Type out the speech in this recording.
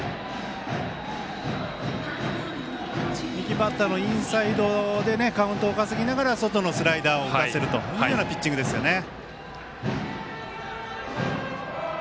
右バッターのインサイドでカウントを稼ぎながら外のスライダーを打たせるというようなピッチングですね。